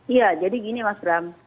iya jadi gini mas bram